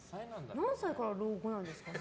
何歳から老後なんですかね。